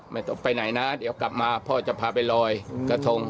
ไม่ต้องไปไหนนะเดี๋ยวกลับมาพ่อจะพาไปลอยกระทง